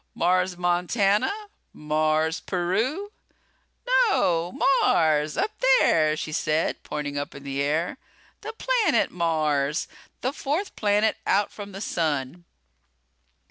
"Mars, Montana? Mars, Peru?" "No, Mars! Up there," she said, pointing up in the air. "The planet Mars. The fourth planet out from the sun."